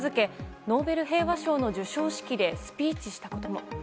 ノーベル平和賞の授賞式でスピーチしたことも。